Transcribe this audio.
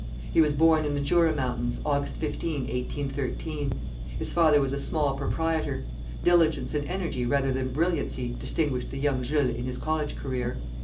He was born in the Jura mountains, Aug. 15, 1813. His father was a small proprietor. Diligence and energy rather than brilliancy distinguished the young Jules in his college career.